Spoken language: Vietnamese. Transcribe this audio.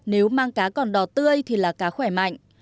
nếu mang cá còn đò tươi thì là cá khỏe mạnh